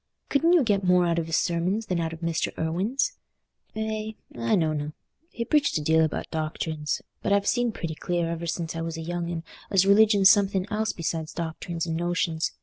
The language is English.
Couldn't you get more out of his sermons than out of Mr. Irwine's?" "Eh, I knowna. He preached a deal about doctrines. But I've seen pretty clear, ever since I was a young un, as religion's something else besides doctrines and notions.